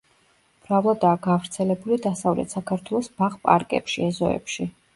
მრავლადაა გავრცელებული დასავლეთ საქართველოს ბაღ–პარკებში, ეზოებში.